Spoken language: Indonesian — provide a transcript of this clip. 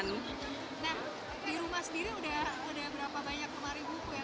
nah di rumah sendiri udah berapa banyak lemari buku ya